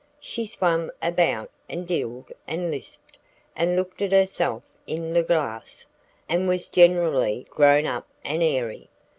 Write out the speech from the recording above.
She swam about, and diddled, and lisped, and looked at herself in the glass, and was generally grown up and airy.